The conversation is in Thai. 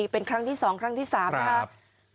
เป็นครั้งที่๒ครั้งที่๓นะครับ